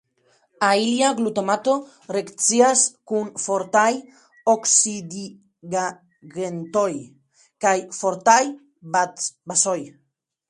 Alila glutamato reakcias kun fortaj oksidigagentoj kaj fortaj bazoj.